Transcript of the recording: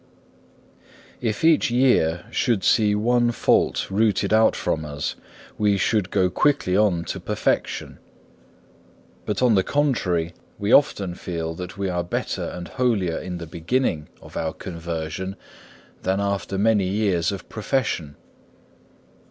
5. If each year should see one fault rooted out from us, we should go quickly on to perfection. But on the contrary, we often feel that we were better and holier in the beginning of our conversion than after many years of profession.